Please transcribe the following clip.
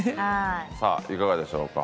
さあいかがでしょうか？